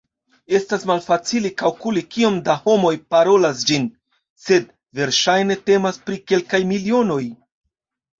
Estas malfacile kalkuli kiom da homoj "parolas" ĝin, sed verŝajne temas pri kelkaj milionoj.